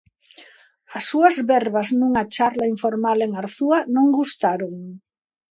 As súas verbas nunha charla informal en Arzúa non gustaron.